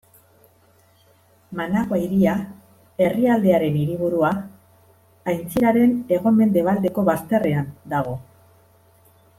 Managua hiria, herrialdearen hiriburua, aintziraren hego-mendebaldeko bazterrean dago.